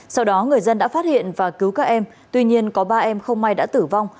sau đó người dân đã phát hiện và cứu các em tuy nhiên có ba em không may đã tử vong